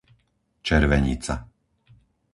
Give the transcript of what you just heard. Červenica